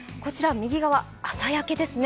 右側、朝焼けですね。